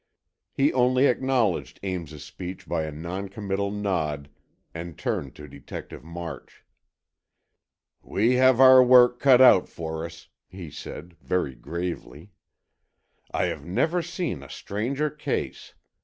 He only acknowledged Ames's speech by a noncommittal nod and turned to Detective March. "We have our work cut out for us," he said, very gravely. "I have never seen a stranger case.